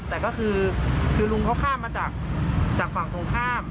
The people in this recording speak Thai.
แต่ก็คือลุงเขาข้ามมาจากฝั่งตรงข้าม